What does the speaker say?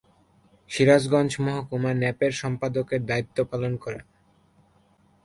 সিরাজগঞ্জ মহকুমা ন্যাপের সম্পাদকের দায়িত্ব পালন করেন।